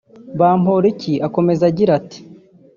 Bamporiki akomeza agira ati